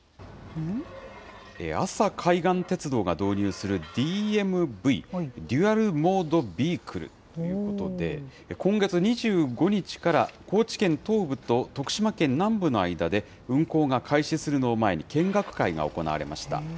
阿佐海岸鉄道が導入するＤＭＶ・デュアル・モード・ビークルということで、今月２５日から高知県東部と徳島県南部の間で、運行が開始するのを前に、見学会が行われました。